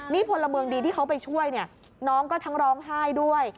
นี่พลเมืองดีที่เขาไปช่วยเนี่ยน้องก็ทั้งร้องไห้ด้วย